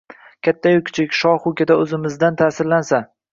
katta-yu kichik, shohu-gado so‘zimizdan ta’sirlansa